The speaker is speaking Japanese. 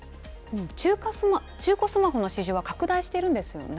中古スマホの市場は拡大しているんですよね。